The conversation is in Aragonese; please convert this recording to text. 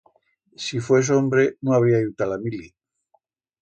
Si fues hombre, no habría iu ta la mili.